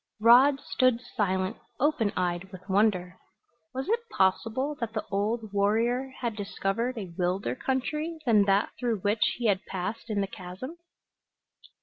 Rod stood silent, open eyed with wonder. Was it possible that the old warrior had discovered a wilder country than that through which he had passed in the chasm?